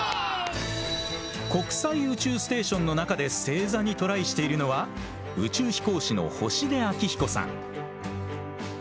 国際宇宙ステーションの中で正座にトライしているのは宇宙飛行士の星出彰彦さん。